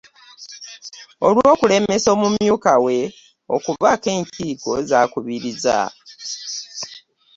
Olw'okulemesa omumyuka we okubaako enkiiko z'akubiriza.